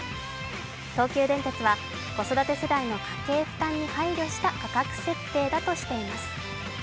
東急電鉄は子育て世代の家計負担に配慮した価格設定だとしています。